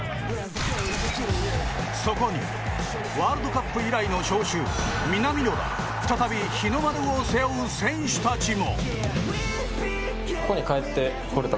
そこにワールドカップ以来の招集南野ら、再び日の丸を背負う選手たちも。